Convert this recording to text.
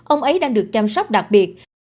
ông ấy đang được chăm sóc đặc biệt